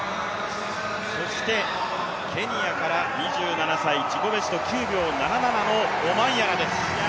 そしてケニアから２７歳、自己ベスト９秒７７のオマンヤラです。